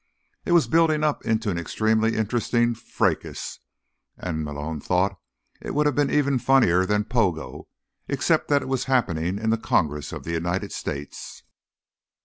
It was building up into an extremely interesting fracas, and, Malone thought, it would have been even funnier than Pogo except that it was happening in the Congress of the United States.